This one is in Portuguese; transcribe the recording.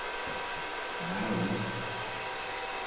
Maraú